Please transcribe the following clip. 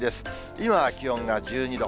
今、気温が１２度。